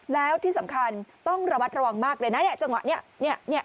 แล้วที่สำคัญต้องระวัดระวังมากเลยนะเนี่ยจังหวะเนี่ยเนี่ยเนี่ย